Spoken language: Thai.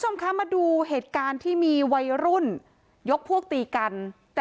มาดูเหตุการณ์ที่มีวัยรุ่นยกพวกตีกัน